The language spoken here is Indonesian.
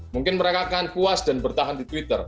mungkin mereka akan puas dan bertahan di twitter